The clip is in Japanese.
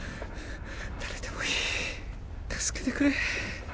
誰でもいい助けてくれ